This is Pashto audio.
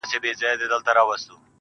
ستا د ژبې کيفيت او معرفت دی.